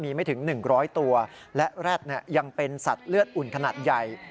มีไม่ถึง๑๐๐ตัวและแร็ดยังเป็นสัตว์เลือดอุ่นขนาดใหญ่